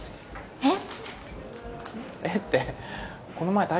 えっ？